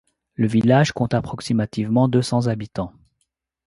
Le village compte approximativement deux cents habitants.